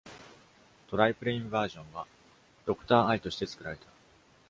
トライプレインバージョンは Dr.I. として作られた。